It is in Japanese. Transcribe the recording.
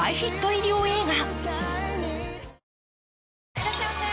いらっしゃいませ！